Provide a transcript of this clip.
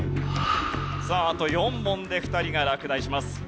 さああと４問で２人が落第します。